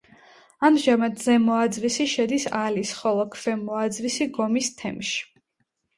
ამჟამად ზემო აძვისი შედის ალის, ხოლო ქვემო აძვისი გომის თემში.